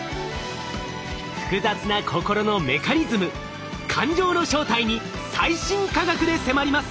複雑な心のメカニズム感情の正体に最新科学で迫ります。